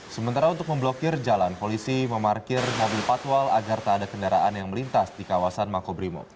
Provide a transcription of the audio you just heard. sementara untuk memblokir jalan polisi memarkir mobil patwal agar tak ada kendaraan yang melintas di kawasan makobrimob